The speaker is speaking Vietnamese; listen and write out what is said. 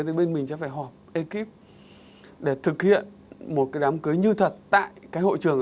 đeo phim trường